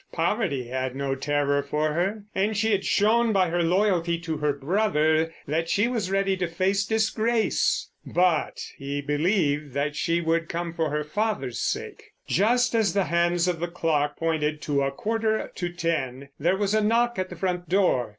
Poverty had no terror for her, and she had shown by her loyalty to her brother that she was ready to face disgrace. But he believed that she would come for her father's sake. Just as the hands of the clock pointed to a quarter to ten there was a knock at the front door.